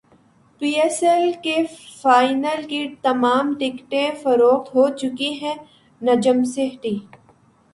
پی S L کے final کی تمام ٹکٹیں فروخت ہوچکی ہیں نجم سیٹھی